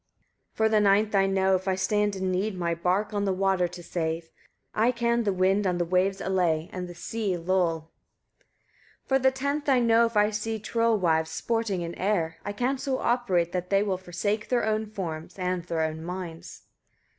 156. For the ninth I know, if I stand in need my bark on the water to save, I can the wind on the waves allay, and the sea lull. 157. For the tenth I know, if I see troll wives sporting in air, I can so operate that they will forsake their own forms, and their own minds.